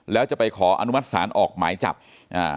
แล้วจะไปขออนุมัติศาลออกหมายจับอ่า